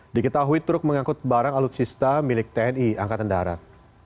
diketahui truk mengangkut barang alutsista milik tni angkatan darat